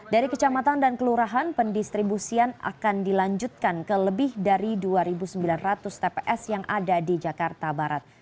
dari kecamatan dan kelurahan pendistribusian akan dilanjutkan ke lebih dari dua sembilan ratus tps yang ada di jakarta barat